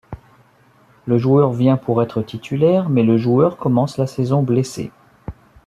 Le joueur vient pour être titulaire mais le joueur commence la saison blessé.